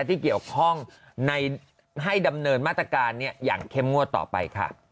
ที่เกี่ยวข้องให้ดำเนินมาตรการอย่างเข้มงวดต่อไปค่ะ